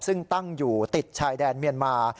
ซึ่งตั้งอยู่ติดชายแดนเมียนมา